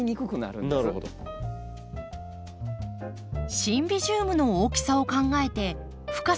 シンビジウムの大きさを考えて深さ